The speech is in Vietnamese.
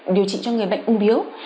điều trị cho người bệnh ung biếu